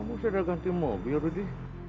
kamu sudah ganti mobil ini